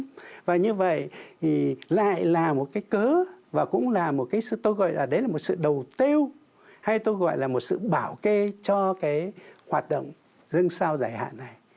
tức là chỗ này lại là một cái cớ và cũng là một cái sự tôi gọi là đấy là một sự đầu tiêu hay tôi gọi là một sự bảo kê cho cái hoạt động dân sao giải hạn này